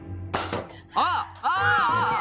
あっあぁ！